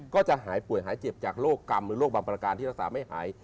ก็จะหายป่วยหายเจ็บจากโรคกรรมหรือโรคบางประการที่รักษาไม่หาย